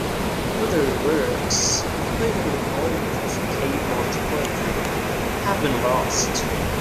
Other works, including the bulk of Caedmon's poetry, have been lost.